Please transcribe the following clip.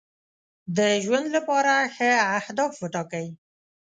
د ژوند لپاره ښه اهداف وټاکئ.